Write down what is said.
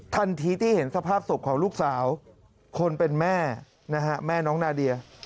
ทันทีที่เห็นสภาพศพของลูกสาวคนเป็นแม่นะฮะแม่น้องนาเดีย